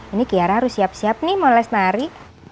ini kiara harus siap siap nih mau les nari